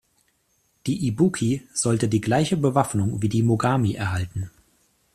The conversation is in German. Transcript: Die "Ibuki" sollte die gleiche Bewaffnung wie die "Mogami" erhalten.